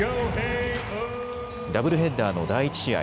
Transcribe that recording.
ダブルヘッダーの第１試合。